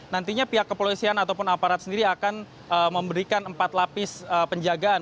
nantinya pihak kepolisian ataupun aparat sendiri akan memberikan empat lapis penjagaan